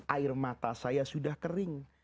air mata saya sudah kering